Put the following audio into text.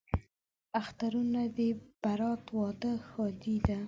اخترونه دي برات، واده، ښادي ده